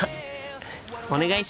お願いします！